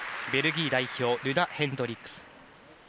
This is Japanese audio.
ベルギー代表ルナ・ヘンドリックス。